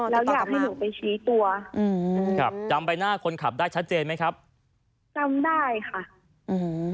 แล้วอยากให้หนูไปชี้ตัวอืมครับจำใบหน้าคนขับได้ชัดเจนไหมครับจำได้ค่ะอืม